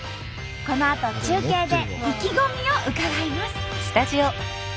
このあと中継で意気込みを伺います。